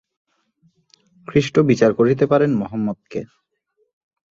খ্রীষ্ট বিচার করিতে পারেন মহম্মদকে।